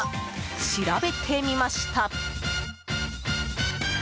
調べてみました。